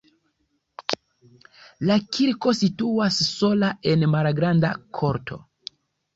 La kirko situas sola en malgranda korto.